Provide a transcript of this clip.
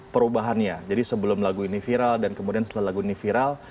perubahannya jadi sebelum lagu ini viral dan kemudian setelah lagu ini viral